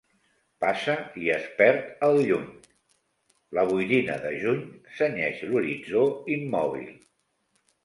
Passa i es perd al lluny... La boirina de Juny cenyeix l’horitzó immòbil.